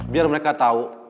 biar mereka tahu